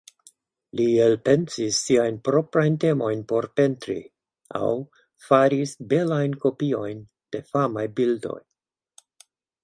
Li elpensis siajn proprajn temojn por pentri aŭ faris belajn kopiojn de famaj bildoj.